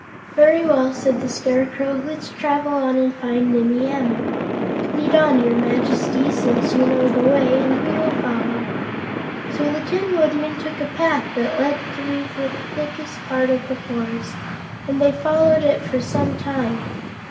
"Well," said the Scarecrow, "let's travel on and find Nimmie Amee. Lead on, your Majesty, since you know the way, and we will follow." So the Tin Woodman took a path that led through the thickest part of the forest, and they followed it for some time.